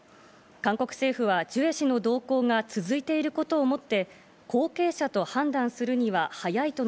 韓国政府はジュエ氏の動向が続いていることをもって、後継者と判断するには早いとの